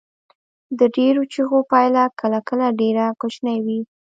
د ډیرو چیغو پایله کله کله ډیره کوچنۍ وي.